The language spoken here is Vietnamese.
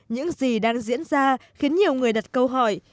những gì đang diễn ra khiến nhiều người đặt câu hỏi